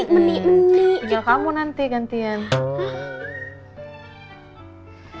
berkeliatan cantik menik menik gitu